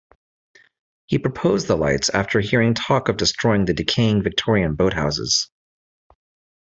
He proposed the lights after hearing talk of destroying the decaying Victorian boathouses.